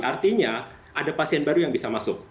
artinya ada pasien baru yang bisa masuk